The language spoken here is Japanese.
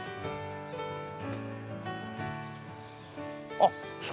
あっ！